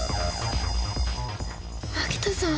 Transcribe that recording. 蒔田さん？